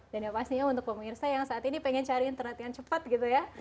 dan yang pastinya untuk pemirsa yang saat ini pengen cari interaktifan cepat gitu ya